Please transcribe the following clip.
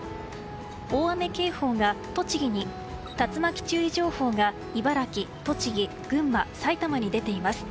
大雨警報が栃木に竜巻注意情報が茨城、栃木、群馬埼玉に出ています。